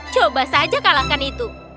coba saja kalahkan itu